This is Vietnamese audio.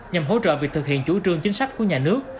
nhằm hỗ trợ việc thực hiện chủ trương chính sách của nhà nước